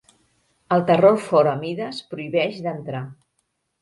El terror fora mides prohibeix d'entrar.